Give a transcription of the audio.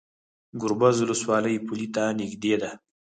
ګربز ولسوالۍ پولې ته نږدې ده؟